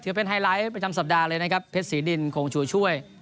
เป็นไฮไลท์ประจำสัปดาห์เลยนะครับเพชรศรีดินโคงชูช่วย